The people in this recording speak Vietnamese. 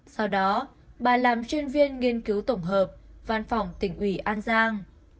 sau đó bà làm chuyên viên nghiên cứu tổng hợp văn phòng tỉnh ủy an giang